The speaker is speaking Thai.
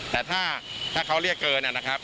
แต่ถ้าเขาเรียกเกินนะครับ